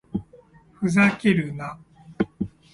ふざけるな